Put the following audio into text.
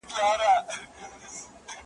د نظر غشی به مي نن له شالماره څارې `